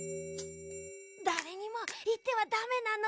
だれにもいってはダメなのだ。